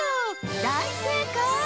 だいせいかい！